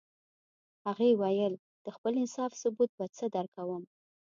هغې ویل د خپل انصاف ثبوت به څه درکوم